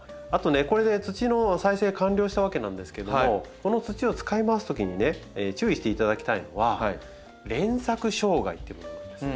これで土の再生完了したわけなんですけどもこの土を使い回すときにね注意していただきたいのは「連作障害」というものなんです。